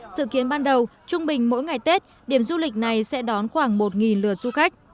dự kiến ban đầu trung bình mỗi ngày tết điểm du lịch này sẽ đón khoảng một lượt du khách